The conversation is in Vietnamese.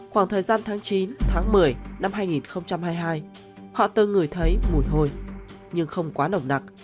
khoảng thời gian tháng chín một mươi năm hai nghìn hai mươi hai họ từng ngửi thấy mùi hôi nhưng không quá nồng nặng